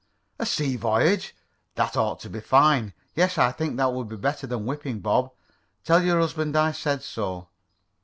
"A sea voyage? That ought to be fine. Yes, I think that will be better than whipping Bob. Tell your husband I said so."